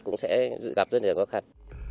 cũng sẽ gặp rất là khó khăn